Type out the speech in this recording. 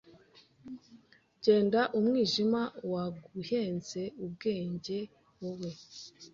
genda umwijima waguhenze ubwenge wowe